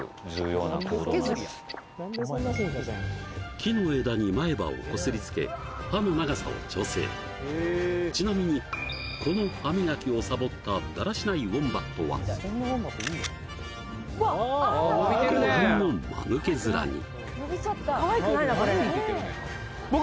木の枝に前歯をこすりつけ歯の長さを調整ちなみにこの歯磨きをサボっただらしないウォンバットはご覧のまぬけ面に伸びちゃった前に出てるね